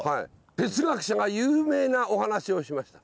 哲学者が有名なお話をしました。